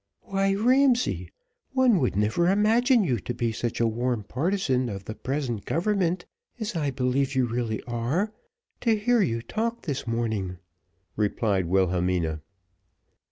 "Why, Ramsay, one would never imagine you to be such a warm partisan of the present government, as I believe you really are, to hear you talk this morning," replied Wilhelmina.